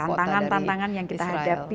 tantangan tantangan yang kita hadapi